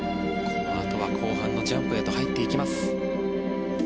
このあとは後半のジャンプへと入っていきます。